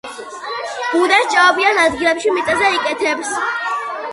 ბუდეს ჭაობიან ადგილებში მიწაზე იკეთებს.